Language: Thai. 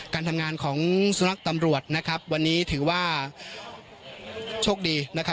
การทำงานของสุนัขตำรวจนะครับวันนี้ถือว่าโชคดีนะครับ